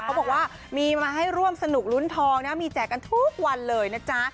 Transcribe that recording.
เขาบอกว่ามีมาให้ร่วมสนุกลุ้นทองนะมีแจกกันทุกวันเลยนะจ๊ะ